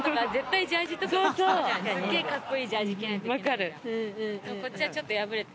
分かる。